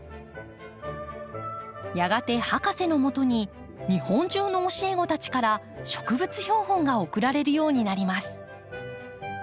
やがて博士のもとに日本中の教え子たちから植物標本が送られるようになります。